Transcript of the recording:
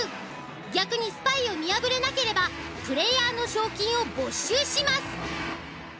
逆にスパイを見破れなければプレイヤーの賞金を没収します。